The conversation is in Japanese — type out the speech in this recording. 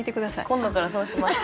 今度からそうします。